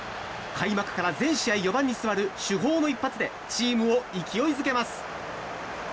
開幕から全試合４番に座る主砲の一発でチームを勢いづけます。